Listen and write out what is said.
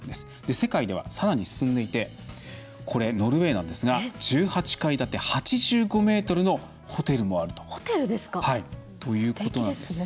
世界では、さらに進んでいてこれ、ノルウェーなんですが１８階建て８５ｍのホテルもあるということなんです。